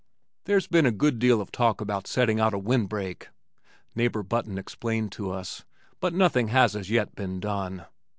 "There's been a good deal of talk about setting out a wind break," neighbor Button explained to us, "but nothing has as yet been done."